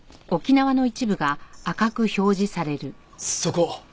そこ。